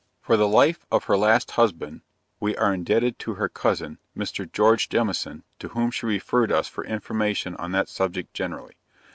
For the life of her last husband, we are indebted to her cousin, Mr. George Jemison, to whom she referred us for information on that subject generally.